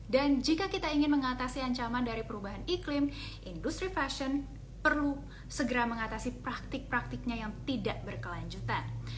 dan jika kita ingin mengatasi ancaman dari perubahan iklim industri fashion perlu segera mengatasi praktik praktiknya yang tidak berkelanjutan